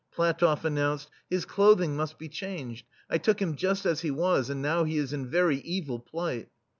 PlatofF announced: "His clothing must be changed. I took him just as he was, and now he is in very evil plight."